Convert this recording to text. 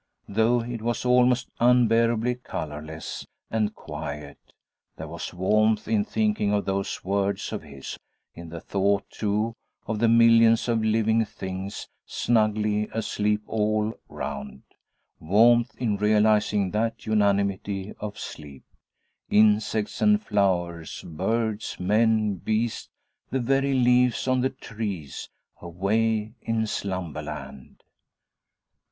Though it was almost unbearably colorless, and quiet, there was warmth in thinking of those words of his; in the thought, too, of the millions of living things snugly asleep all round; warmth in realizing that unanimity of sleep. Insects and flowers, birds, men, beasts, the very leaves on the trees away in slumberland.